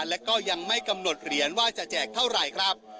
และก็ยังไม่กำหนดเหรียญว่าจะแจกเท่าไหร่ครับ